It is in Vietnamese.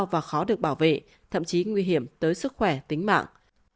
và khó được bảo vệ thậm chí nguy hiểm tới sức khỏe tính mạng